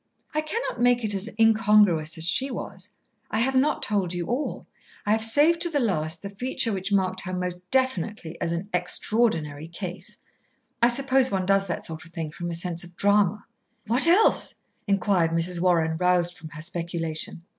"I cannot make it as incongruous as she was. I have not told you all. I have saved to the last the feature which marked her most definitely as an Extraordinary Case. I suppose one does that sort of thing from a sense of drama." "What else?" inquired Mrs. Warren, roused from her speculation.